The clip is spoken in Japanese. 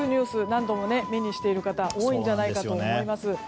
何度も目にしている方多いんじゃないかと思います。